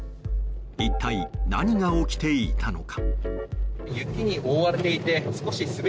一体何が起きていたのか。